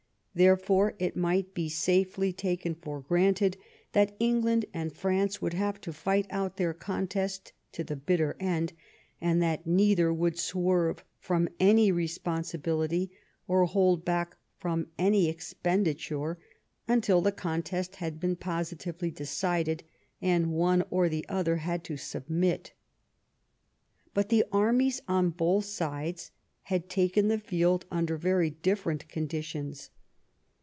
Therefore it might be safely taken for granted that England and France would have to fight out this contest to the bitter end, and that neither would swerve from any responsibility, or hold back from any expenditure, until the contest had been positively de cided, and one or the other had to submit But the armies on both sides had taken the field under very different conditions.